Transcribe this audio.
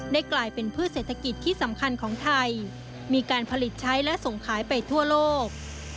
กลายเป็นพืชเศรษฐกิจที่สำคัญของไทยมีการผลิตใช้และส่งขายไปทั่วโลก